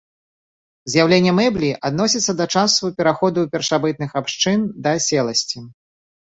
З'яўленне мэблі адносіцца да часу пераходу першабытных абшчын да аселасці.